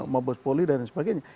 mobos poli dan sebagainya